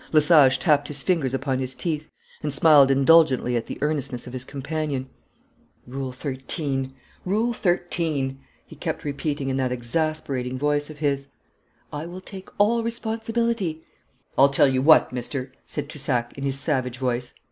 Lesage tapped his fingers upon his teeth, and smiled indulgently at the earnestness of his companion. 'Rule 13! Rule 13!' he kept repeating, in that exasperating voice of his. 'I will take all responsibility.' 'I'll tell you what, mister,' said Toussac, in his savage voice.